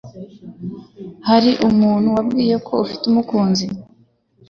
Hari umuntu wambwiye ko ufite umukunzi.